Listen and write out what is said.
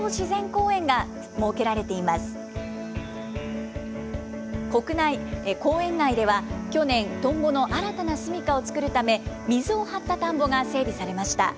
公園内では去年、トンボの新たな住みかを作るため、水を張った田んぼが整備されました。